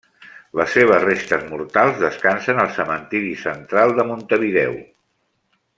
Les seves restes mortals descansen al Cementiri Central de Montevideo.